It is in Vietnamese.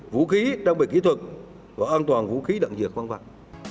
vũ khí đăng bệnh kỹ thuật và an toàn vũ khí đặng dược văn phạt